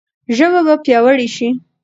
ژبه به پیاوړې شي.